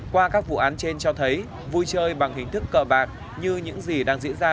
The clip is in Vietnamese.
qua các vụ án trên cho thấy vui chơi bằng hình thức cờ bạc như những gì đang diễn ra